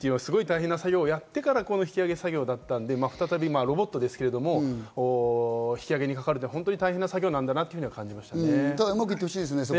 再び飽和潜水がすごく大変な作業をやってからのこの作業だったので、再びロボットですけれども、引き揚げにかかるというのは大変な作業なんだなと改めて思いましたね。